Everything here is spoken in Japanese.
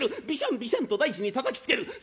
ビシャンビシャンと大地にたたきつける。